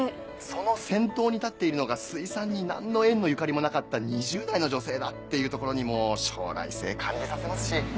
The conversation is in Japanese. その先頭に立っているのが水産に何の縁もゆかりもなかった２０代の女性だっていうところにも将来性感じさせますし。